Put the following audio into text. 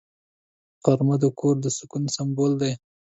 غرمه د کور د سکون سمبول دی